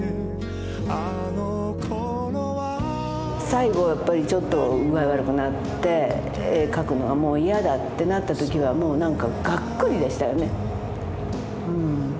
最後やっぱりちょっと具合悪くなって絵描くのはもう嫌だってなった時はもうなんかがっくりでしたよね。